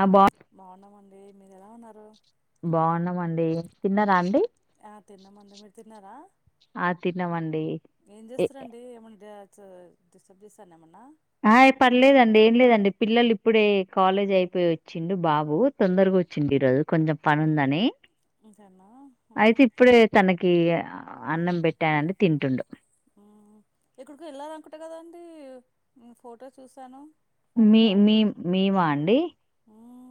ఆ బా బాగున్నామండి మీరు ఎలా ఉన్నారూ బావున్నామండి తిన్నారా అండి ఆ తిన్నామండి మీరు తిన్నారా ఆ తిన్నామండి ఏం ఏ- చేస్తారండి ఏమన్నా డిస్టర్బ్ చేసన ఏమన్నా అయ్ పర్లేదండి ఏం లేదండి పిల్లలు ఇప్పుడే కాలేజ్ అయిపోయి వచ్చిండు బాబు తొందరగా వచ్చిండు ఈరోజు కొంచెం పని ఉందని ఇంతేనా అయితే ఉమ్, ఇప్పుడే తనకి అన్నం పెట్టానండి తింటుండు ఎక్కడికో వెళ్ళారనుకుంట కదండి ఫోటో చూసాను మీ మీ మేమా అండి మ్మ్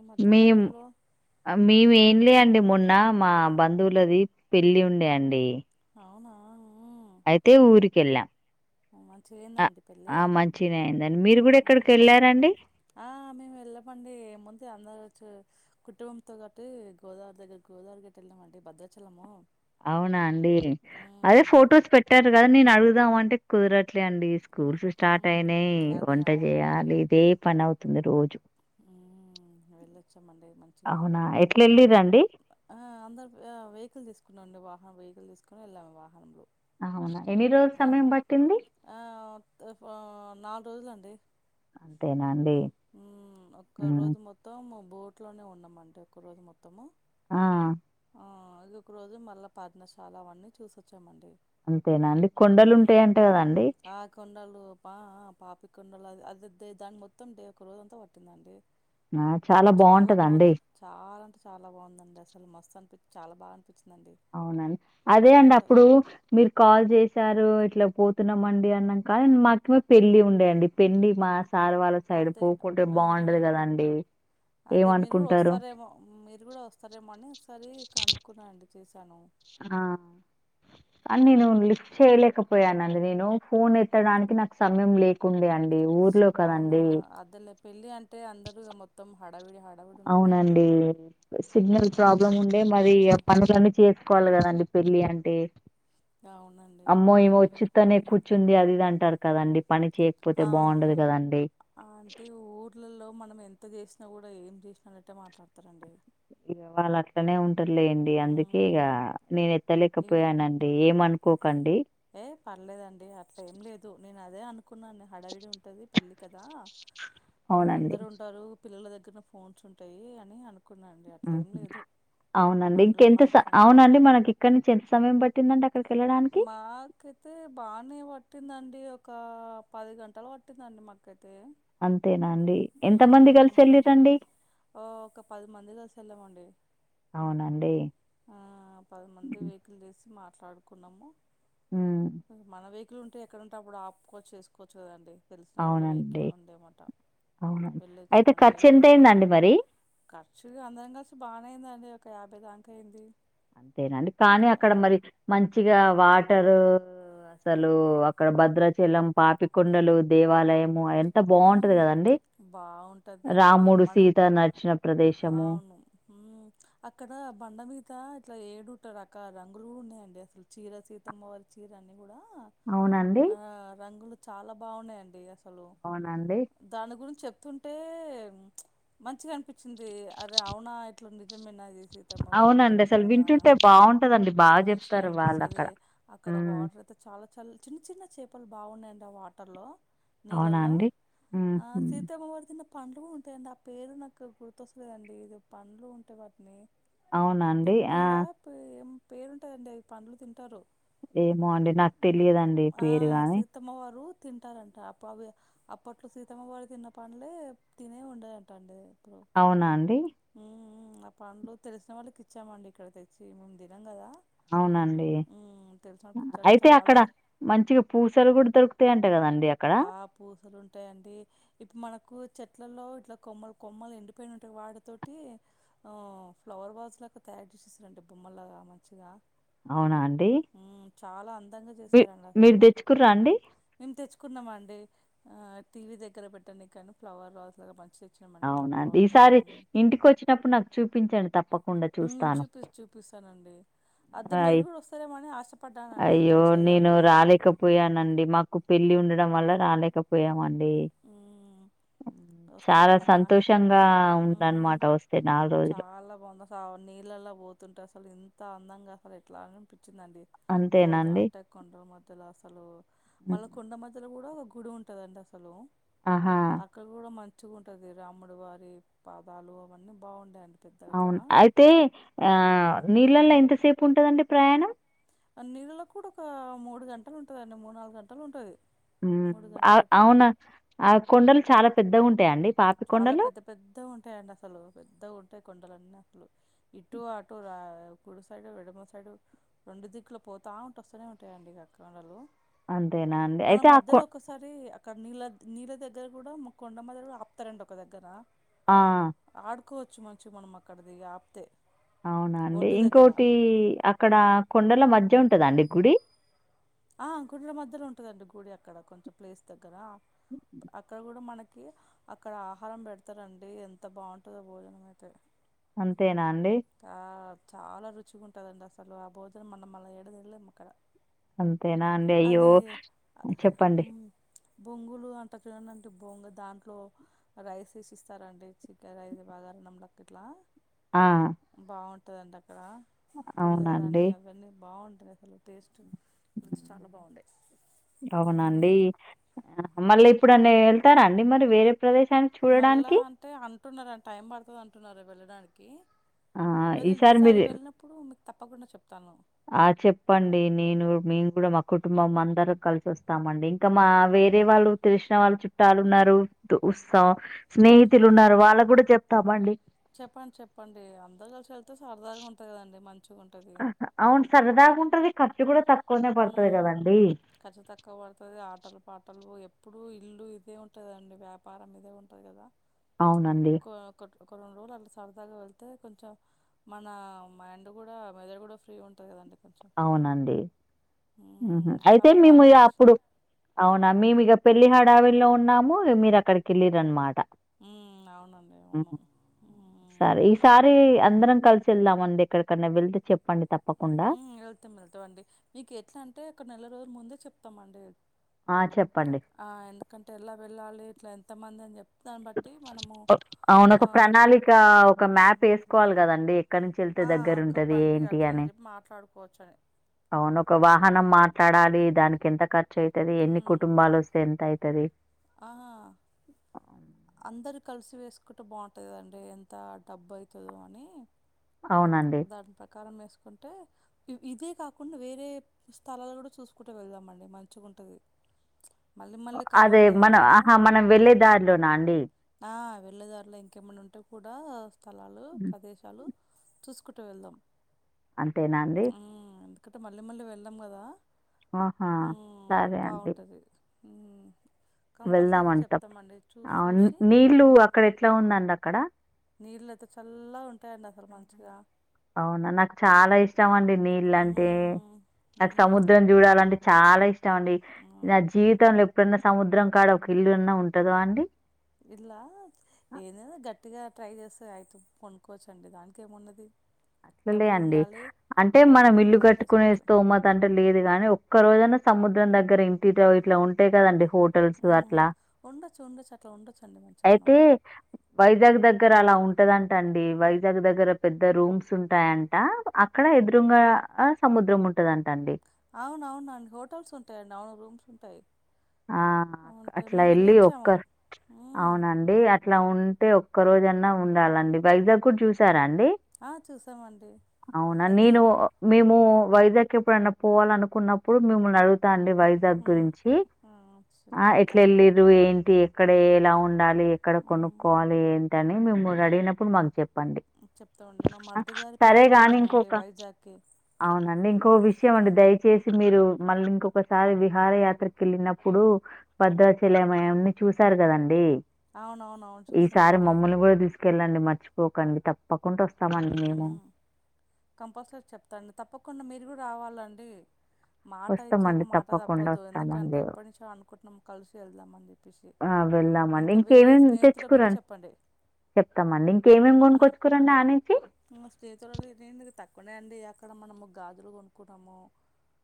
ఈ మేము మధ్యకాలంలో మేము ఏం లే అండి మొన్న మా బంధువులది పెళ్లి ఉండే అండి అవునా మ్మ్ అయితే ఊరిక వెళ్ళా మంచిగా అయిందా అండి పెళ్ళి మంచిగనే అయిందండి మీరు కూడా ఎక్కడికి వెళ్ళారండి ఆ మేము వెళ్ళమండి ఏ ముందు అందరచ్చు కుటుంబంతో కాట్టి గోదావరి దగ్గర గోదారి గట్టు వెళ్దాము అండి భద్రాచలము అవునా అండి అదే మ్మ్ ఫొటోస్ పెట్టారు కదా నేను అడుగుదాం అంటే కుదరట్ ట్లే అండి స్కూల్స్ ఉహు స్టార్ట్ అయినాయి అదే వంట అవునండి చేయాలి ఇదే పని అవుతుంది రోజు మండే మంచిగా అవునా ఎట్లా వెళ్ళిరండి ఆ అందరు వెహికల్ తీసుకున్నాండి వాహనం వెహికల్ తీసుకుని వెళ్ళాము వాహనంలో అ అవునా ఎన్ని రోజుల ఉ సమయం పట్టింది వత్త ఫో నాలుగు రోజులండి అంతేనాండి ఉమ్ ఒక్క ఉమ్ రోజు మొత్తం బోట్లోనే ఉన్నామంటే ఒక్కరోజు మొత్తము ఆ ఆ ఇదిొ ఒక రోజు మళ్ళా పాదనశాల అవన్నీ చూసొచ్చామండి అంతేనా అందు ఆ కొండళ్ళు పా పాపి కొది అది దాని మొత్తండి ఒక రోజంతా పట్టిందండి ఆ చాలా బాగుంటదండి బాగుంది చాలా అంటే చాలా బాగుందండి అసలు మస్తు అనిపిించ చాలా బాగు అవునండి అదే అండి అప్పుడు మీరు కాల్ చేసి చ్చారు ఇట్లా పోతున్నాంమండి అన్నాం కాదు మాకమో పెళ్ళలి ఉండేయంండి పెళ్లి మా సార్ వాళ్ళ సైడ్ అదే పోకుంటే ఆ బాగుండదు కదండి అదే మీరు కూడా ఏమనుకుంటారు వస్తారేమో మీరు కూడా వస్తారేమో అని ఒకసారి కనుక్కున్నా అండి చేశాను ఆ అ నేను లిఫ్ట్ చేయలేకపోయానండి నేను ఫోన్ ఎత్తడానికి నాకు సమయం లేకుండే అండి ఊర్లో అవునా కదండి అదేలే పెళ్ళి అంటే అందరు మొత్తం హడావిడి హ- అవునండి సిగ్నల్ ప్రాబ్లమ్ ఉండే మరి పనులన్నీ చేసుకోవాలి కదండి పెళ్ళి అంటే అవునండి అమ్మో ఈమె వచ్చి మ్మ్. తనే కూర్చుంది అది ఇది అంటారు కదండి పని చేయకపోతే ఆ బాగుండదు కదండి అంటే ఊర్లలో మనం ఎంత చేసిన కూడా ఏం చేసినానట్టే మాట్లాడుతారండీ వాళ్ళ అట్లనే ఉంటారులెండి అందుకే ఇక నేను ఏ ఎత్తలేకపోయానండి ఏమనుకోకండి ఏ పర్లేదండి అట్లా ఏం లేదు నేను అదే అనుకును- కున్నా హడవిడి ఉంటది పెళ్లి కదా ఇ అవునండి అందరు ఉంటారు పిల్లల- ఫోన్స్ ఉంటాయి అని అను అవునండి మనలో ఇంకెంత మనకి ఉంటే అవునండి మనకి ఇక్కడ నుంచి ఎంత సమయం పట్టిందండి- అక్కడికెళ్ళడానికి? మాకైతే బానేపట్టి - పట్టిందండి ఒక పది గంటలు పట్టిందండి మకైతే అంతేనా అండి ఎంత మంది కలిసి వెళ్ళిరండి ఒక పది మంది కలిసి వెళ్ళామండి అవునండి. ఆ పదిమంది హ్మ్. వెహికల్ తీసి మాట్లాడుకున్నాము హ్మ్. మన వె- ఇలుంట ఎక్కడంటే అప్పుడు ఆపుకోచ్చుకోచ్చుదండి అవునండి అవునండి అయితే వెళ్ళొచ్చామండి ఖర్చు ఎంతయిందండి మరి ఖర్చు అందరం కలిసి బానే అయ్యిందండి ఒక యాభై దాక అయింది అంతేనండి కానీ అక్కడ మరి మంచిగా వాటరు అసలు అక్కడ భద్రాచలం పాపికొండలు దేవాలయము అ అంత బాగుంటది కదండి బాగుంటది అక్కడ మన నడిచిన ప్రదేశము. అవును అక్కడ బండ మీద ఇట్లా ఏడుట రకాల రంగులు కూడా ఉన్నాయండి అసలు చీర సీతమ్మ వారి చీర అన్ని కూడా అవునండి ఆ రంగులు చాలా బాగున్నాయండి అసలు అవునండి. దాని గురించి చెప్తుంటే మంచిగా అనిపించింది అరే అవునా ఇట్లా నిజమేనా సీతమ్మ వారు అవునండి అంటారంట అసలు కదా వింటుంటే బాగుంటదండి బాగా మంచిగా చెప్తారు వాళ్ళు అక్కడ ఇ చాలా చాలా చిన్న చిన్న చేపలు బాగున్నాయండి ఆ వాటర్ లో అవునా అండి ఉ అమ్మవారు తిన్న పండ్లు ఉంటాయండి ఆ పేరు నాకు గుర్తొస్తులేదండి ఇది పండ్లు ఉంటే వాటిని అవునండి ఆ పేరుంటుదండి అవి పండ్లు తింటారు ఏమో అండి నాకు తెలియదండి ఆ పేరు గాని సీతమ్మ వారు తింటారంట అప్పుడు అవి అప్పట్లో సీతమ్మవారి తిన్న పనులే తినే ఉండదంట అండి ఇప్పుడు అవునా అండి మ్మ్ ఆ పండ్లు తెలిసిన వాళ్ళకి ఇచ్చామండి ఇక్కడ తెచ్చి మేము దినం కదా అవునండి మ్మ్ తెలిసిన వాళ్ళకి ఇచ్చారు అయితే అక్కడ చాలా మంచిగా పూసలు కూడా దొరుకుతా ఆ పూసలు ఉంటాయండి ఇప్పు మనకు చెట్లల్లో ఇట్లా కొమ్మలు కొమ్మలు ఎండిపోయిని ఉంటయ్ వాటితోటి ఫ్లవర్ వాజులు అంట తా యర్ చేసేసేరంట అంటే బొమ్మలగా మంచిగా అవునా అండి మ్మ్ చాలా అందంగా మీ చేశారండి మీరు అస్సలు దెచ్చుకుర్రా అండి? మేము తెచ్చుకున్నాం మండి ఆ టీవీ దగ్గర పెట్టనికి అని ఫ్లవర్ వాజ్లగ మంచి అవునండి ఈసారి ఇంటికి వచ్చినప్పుడు నాకు చూపించండి తప్ప మ్ చూపి చూపిస్తానండి అదే అయ్ మీరు కూడా వస్తారేమో అని ఆశపడ్డానండి అయ్యో కలిసి నేను వెళ్దామని రాలేకపోయానండి మాకు పెళ్లి ఉండ డం వల్ల రాలేకపోయామండి ఉమ్, చాలా వస్తారేమో నా సంతోషంగా మ్ ఉందనమాట వస్తే రోజులు. చాలా బావుంది వంద సావర్ల నీళ్ళల్లో పోతుంటే అసలు ఇ అంత అందంగా అసలు ఎట్లా అనిపించిందండి పోత అంతేనాండి? అంటే కొండలు మధ్యలో అసలు హ్మ్. మళ్ళా కొండ మధ్యలో కూడా ఒక గుడి ఉంటదండి అసలు ఆహా అక్కడ కూడా మంచిగా ఉంటది రాముడు వారి పాదాలు అవన్నీ బావుంటాయ్ అండి అవును అయితే ఆ నీళ్ళల్లో ఎంతసేపు ఉంటందండి ప్రయాణం నీళ్ళలో కూడా ఒక మూడు గంటలు ఉంటదండి మూడు నాలుగు గంటలు ఉంటది మ్ అవునా ఆ కొండలు చాలా పెద్దగ ఉంటాయండి చాలా పెద్ద పెద్ద ఉంటాయండి అసలు పెద్ద ఉంటాయి కొండలన్నీ అసలు ఇటు అటు రా కుడి సైడు వెడమ సైడు రెండు దిక్కులు పోతూ ఉంటూ వసానే ఉంటాయండి ఇగ కొండలు అంతేనా అండి అయితే ఆ కొ క నీళ్ళ నీళ్ళ దగ్గర కూడా మ కొండ మధ్యలో కూడా ఆపుతారండి ఒక దగ్గర ఆ క్కువచ్చు మంచిగా మనం అక్కడ దిగి ఆపితే అవునా అండి ఒడ్డు దగ్గర ఇంకోటి అక్కడ కొండల మధ్య ఉంటద అండి గుడి ఆ కొండల మధ్యలో ఉంటదండి గుడి అక్కడ కొంచెం ప్లేస్ దగ్గర అక్కడ కూడా మనకి అక్కడ ఆహారం పెడతారండి ఎంత బావుంటదో భోజనం అయితే అంతేనా అండి ఆ చాలా రుచిగా ఉంటదండి అసలు ఆ భోజనం మనం మళ్ళీ ఏడదిన్లేము అక్కడ అంతేనా అండి అయ్యో అది ఆ, చెప్పండి మ్, బొంగులు అంటారు కద అండి అంటే బొంగ దాంట్లో రైస్ వేసి ఇస్తారండి చికెన్ రైస్ బగా అన్నం లోకి గిట్లా ఆ ఉంటదండి అక్కడ పులిహార అవునండి. అని అవన్నీ బావుంటాయి అసలు టేస్ట్ రుచి చాలా బావుంటయ్ అవునండి. ఆహ్, మళ్ళీ ఎప్పుడన్న ఎళ్తారాండి మరి వేరే ప్రదేశానికి మళ్ళా చూడడానికి? అంటే అంటున్నారు టైం పడుతది అంటున్నారు వెళ్ళడానికి ఆ! వెళ్ళి ఈసారి మీరు వెళ్ళినప్పుడు మీకు తప్పకుండా చెప్తాను ఆ చెప్పండి నేను మేము కూడా మా కుటుంబం అందరు కలిసి వస్తామండి ఇంకా మా వే వేరే వాళ్ళు తెలిసిన వాళ్ళు చుట్టాలు ఉన్నారు వు సా స్నేహితులు ఉన్నారు వాళ్ళకి గూడా చెప్తామండి చెప్పండి చెప్పండి అందరు కలిసి ఎళ్తే సరదాగా ఉంటది కదండి మ అవును సరదాగున్ మ్ ఖర్చు తక్కువ పడుతది ఆటలు పాటలు ఎ ప్పుడు ఇల్లు ఇదే ఉంటదండి వ్యాపారం ఇదే ఉంటది కదా అవునండి ఒక ఒక ఒక రెండు రోజులు అట్ల సరదాగా వెళ్తే కొంచెం మన మైండ్ గుడా మెదడు గుడా ఫ్రీ ఉంటుంది గదండి కొంచం నండి ఉమ్ హ్ అయితే చాలా మేము బాగా ఇగ అప్పుడు, అనిపించింది అవునా మేము ఇగ పెళ్లి హడావిడ్ల ఉన్నాము మీరక్కడికి ఎల్లింరన్నమాట మ్మ్, అవునండి అవును ఉమ్ సరే, మ్మ్. ఈసారి అందరం కలిసి సెళ్దామండి ఎక్కడికన్న వెళ్తే చెప్పండి తప్పకుండ. ఇంగెల్తే వెళ్తామండి మీకు ఎట్లా అంటే ఒక నెల రోజు ముందే చెప్తామండి. ఆ! చెప్పండి. ఆ ఎందుకంటే ఎలా వెళ్ళాలి ఇట్ల ఎంతమందని జెప్ అవునొక ప్రణాళికా ఒక మ్యాప్ ఏసుకోవాలి గదండి ఎక్కడి నుంచి వెళ్తే ఆ దగ్గర ఒక ఉంటది బండి ఏంటి అట్లని అని, చెప్పి మాట్లాడుకోవచ్చని అవును ఒక వాహనం మాట్లాడాలి దానికి ఎంత ఖర్చు అయితది? ఎన్ని ఉమ్ కుటుంబాలొస్తే ఎంత అయితది ఆ అందరు కలిసి వేసుకుంటే బావుంటది కదండి ఎంత డబ్బు అయితదో అని అవునండి. దాని ప్రకారమేస్ కుంటే ఇదే కాకుండా వేరే స్థలాలు గుడా చూసుకుంట వెళ్దామండి మంచిగుంటది అదే మన ఆహా మనం వెళ్ళే దారిలోనా అండి? ఆ వెళ్ళే దారిలో ఇంకేమన్న ఉంటే గూడ స్థలాలు, హ్మ్. ప్రదేశాలు చూసుకుంట వెళ్దాం అంతేనాండి క్కత మళ్ళీ మళ్ళీ వెళ్దాం గదా ఆ హా సరే అండి బాగుంటది ఉమ్ కంపల్సరీ చెప్తమండి చూస్ చూసి ట్లు అక్కడ ఎట్ల ఉందండి అక్కడ? నీళ్ళతే చల్లగుంటయండి అసలు మంచిగా అవునా నాకు చాలా ఇష్టం అండి ఉమ్ నీళ్ళంటె, నాకు ఉమ్ సముద్రం జూడాలంటే చాలా ఇష్టం అండి ఆ నా జీవితంలో ఎప్పుడన్న సముద్రం కాడ ఒక ఇల్లు అన్నా ఉంటదో అండి ఇట్లా ఏదన్న గట్టిగా ట్రై చేస్ అయితు కొనుక్కోవచ్చండి దానికేమున్నది అట్లలే అండి అంటే మనం డబ్బులు ఇల్లు ఉండలేదని గట్టుకునే చేసుకోవచ్చు స్తోమత అంటే లేదు గాని ఒక్క రోజన్న సముద్రం దగ్గర ఇంటిరో ఇట్ల ఉంటయి కదండి హోటల్స్ ఉమ్ అట్లా ఉండొచ్చు ఉండొచ్చు అట్లా ఉండొచ్చు అండి మంచిగా అయితే మనము వైజాగ్ దగ్గర అలా ఉన్ ఉంటదంట అండి వైజాగ్ దగ్గర పెద్ద రూమ్స్ స్ ఉంటాయంట అక్కడ ఎదురుంగ ఆ సముద్రం ఉంటదంట అండి. అవునవునండి హోటల్స్ ఉంటాయండి, అవును రూమ్స్ ఉంటాయి. ఆ అవుంటే అట్ల మేము ఎళ్ళి ఒక్క వెళ్ళొచ్చాము మ్మ్ అవునండి అట్ల్ ట్ల ఉంటే ఒక్క రోజన్న ఉండాలండి వైజాగ్ గూడ్ చూసారా అండి డి, ఆ చూసామండి అవునా అది నేను మేము వైజాగ్ ఎప్పుడన్న పోవాలనుకున్నప్పుడు మిమ్మల్ని అడుగుతా అండి వైజాగ్ మ్మ్ గురించి ఆ చె- ఆ చెప్తా ఎట్ల అండి ఎల్లిర్రు ఏంటి, ఎక్కడ, ఎలా ఉండాలి? ఎక్కడ మ్మ్ కొనుక్కోవాలి ఏంటిని మిమ్ముల్ని అడిగినప్పుడు మాగ్ జెప్ ప్పండి చెప్తామండి మా మరిది గారి సరే పెళ్ళికి వెళ్ళామండి గానింకొక వైజాగ్కి అవునండి ఇం ఇంకో విషయం అండి దయచేసి మీరు మళ్ళీ ఇంకొకసారి విహారయాత్రకు ఎళ్ళినప్పు ప్పుడు భద్రాచలం అయన్ని చూసారు గదండి అవునవున్ చూసామండి డి మర్చిపోకండి తప్పకుంట వస్తామండి మేము మ్మ్ కంపల్సరీ చెప్తాండి తప్పకుండా మీరు గుడా రావాలండి మాట ఇచ్చాక వస్తామండి. మాట తప్పకుండా తప్పద్దు, ఎందుకంటే వస్తామండి. ఎప్పటి నుంచో అనుకుంటున్నాం కలిసి వెళ్దాం అని జెప్పేసి ఆ వెళ్దామండి, ఇంకేమేం కూడా తెచ్చుకురండి చెప్పండి చెప్తమండి ఇంకేమేం గొనుకొచ్చుకురండి ఆన్నించి? స్నేహితులుడి తక్కువనే అండి అక్కడ మనము గాజులు కొనుక్కున్నాము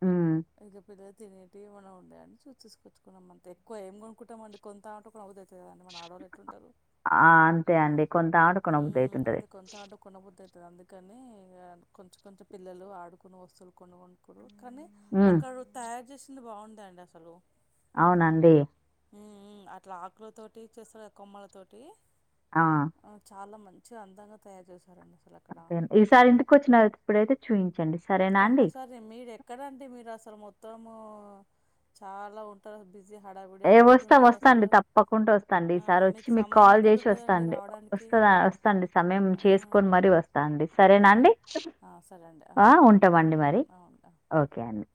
హ్మ్. [unintelligible] తినేటివి ఏమన్నా ఉండాయా అని చూ తీసుకొచ్చుకున్నాం అంత ఎక్కువ ఏం కొనుక్కుంటామండీ కొంటా ఉంటే కొనబుద్ది అయితుంది ఆ అంతే అండి కొంటా ఉంటే కొనిబుద్ధ అవుతుంటది అవుంది అందుకని ఇగ కొంచెం కొంచెం పిల్లలు ఆడుకుని వస్తువులు కొన్ని కొనుక్కురు కానీ హ్మ్. అక్కడ తయారు చేసింది బాగుందండి అసలు అవునా అండీ అట్లా ఆకులతోటి చేస్తారు కొమ్మలతోటి ఆ! చాలా మంచి మంచిగా అందంగా తయారు చేశారండి అసలు అక్కడ అదే ఈసారి ఇంటికి వచ్చినప్పుడైతే చూయి కంపల్సరీ మీరు ఎక్కడండి మీరు అసలు మొత్తము చాలా ఉంటారు బిజీ హడావిడి ఏ హడావిడి వస్తాం ఉంటారు అసలు వస్తాండి తప్పకుండా వస్తాండి ఆ, ఈసారి వచ్చి మీకు సమయం కాల్ ఎక్కడ చేసి ఉంటుందండి వస్తాండి రావడానికి వస్త వ వస్తాండి సమయం ఆ, చేసుకొని మరీ వస్తాండి సరేనా ఉమ్, అండి ఆ, సరే అండి ఆ ఉంటా ఉంటామండి మరి అవును ఆ. ఓకే అండి